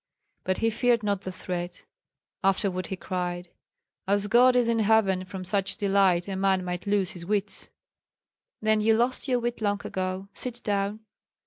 But he feared not the threat; afterward he cried, "As God is in heaven, from such delight a man might lose his wits!" "Then you lost your wit long ago. Sit down."